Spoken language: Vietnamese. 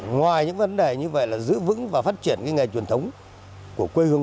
ngoài những vấn đề như vậy là giữ vững và phát triển cái nghề truyền thống của quê hương